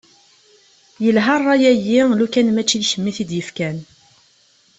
Yelha ṛṛay-agi, lukan mačči d kemm i t-id-yefkan.